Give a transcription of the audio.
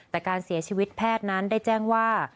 แต่การเสียชีวิตแพทย์นั้นได้แจ้งว่า